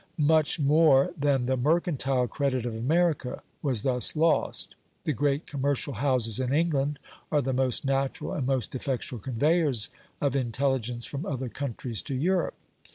Much more than the mercantile credit of America was thus lost. The great commercial houses in England are the most natural and most effectual conveyers of intelligence from other countries to Europe.